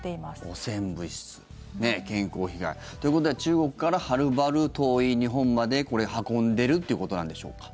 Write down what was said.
汚染物質、健康被害。ということは中国からはるばる遠い日本までこれ、運んでるということなんでしょうか。